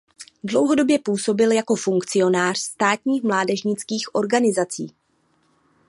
Dlouhodobě působil jako funkcionář státních mládežnických organizací.